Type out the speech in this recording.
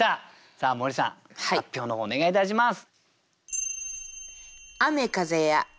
さあ森さん発表の方お願いいたします。